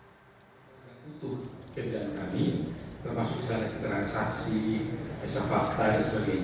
untuk keadaan kami termasuk transaksi pesak fakta dan sebagainya